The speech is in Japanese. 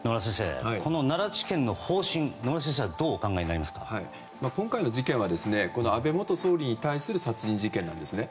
奈良地検の方針を野村先生は今回の事件は安倍元総理に対する殺人事件なんですね。